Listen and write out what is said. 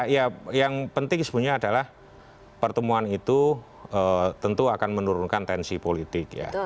ya yang penting sebenarnya adalah pertemuan itu tentu akan menurunkan tensi politik ya